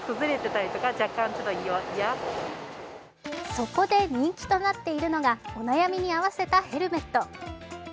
そこで人気となっているのが、お悩みに合わせたヘルメット